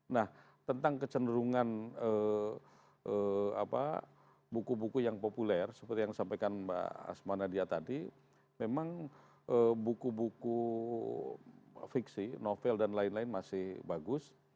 nah tentang kecenderungan buku buku yang populer seperti yang sampaikan mbak asma nadia tadi memang buku buku fiksi novel dan lain lain masih bagus